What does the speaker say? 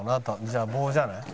じゃあ棒じゃない？